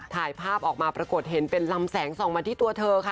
ถ่ายภาพออกมาปรากฏเห็นเป็นลำแสงส่องมาที่ตัวเธอค่ะ